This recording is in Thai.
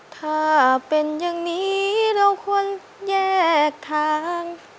ถ้าเป็นอย่างนี้เราควรแยกทาง